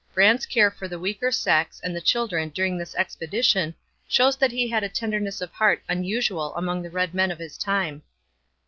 Brant's care for the weaker sex and the children during this expedition shows that he had a tenderness of heart unusual among the red men of his time.